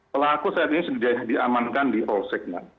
pelaku saat ini sudah diamankan di polsek